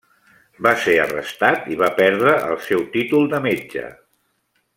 Va ser arrestat i va perdre el seu títol de metge.